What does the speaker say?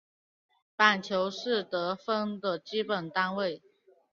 板球是得分的基本单位。